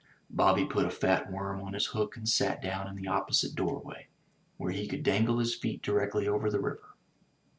Bobby put a fat worm on his hook and sat down in the opposite doorway where he could dangle his feet directly over the river.